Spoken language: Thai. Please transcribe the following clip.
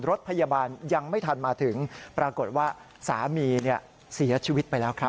รถพยาบาลยังไม่ทันมาถึงปรากฏว่าสามีเสียชีวิตไปแล้วครับ